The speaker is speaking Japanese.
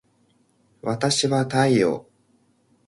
わたしは太陽